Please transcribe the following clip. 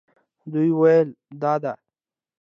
دوی وویل دا ده.